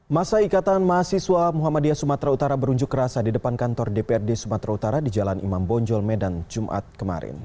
masa ikatan mahasiswa muhammadiyah sumatera utara berunjuk rasa di depan kantor dprd sumatera utara di jalan imam bonjol medan jumat kemarin